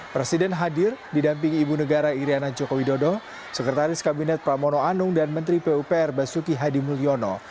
presiden hadir didampingi ibu negara iryana joko widodo sekretaris kabinet pramono anung dan menteri pupr basuki hadi mulyono